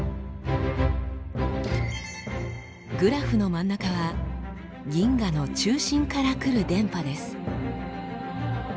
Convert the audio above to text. グラフの真ん中は銀河の中心から来る電波です。